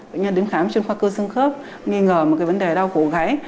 bệnh nhân đến khám chuyên khoa cơ xương khớp nghi ngờ một vấn đề đau khổ gáy